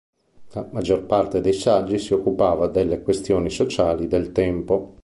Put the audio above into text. La maggior parte dei saggi si occupava delle questioni sociali del tempo.